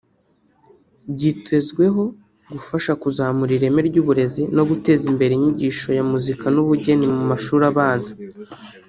byitezweho gufasha kuzamura ireme ry’uburezi no guteza imbere inyigisho ya muzika n’ubugeni mu mashuri abanza